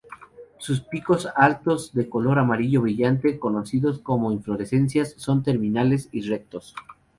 Sus picos altos de color amarillo brillante, conocidos como inflorescencias, son terminales y rectos.